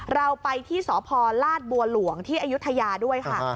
เราไปที่สพลาดบัวหลวงที่อายุทยาด้วยค่ะ